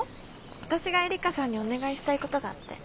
私がえりかさんにお願いしたいことがあって。